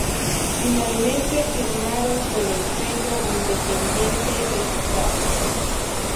Finalmente, firmaron con el sello independiente Epitaph.